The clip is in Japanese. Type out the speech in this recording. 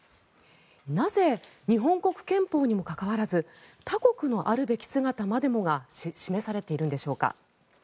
なぜ、日本国憲法にもかかわらず他国のあるべき姿までもが記されているんでしょうか。